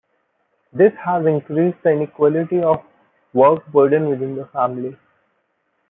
This has increased the inequality of work burden within the family.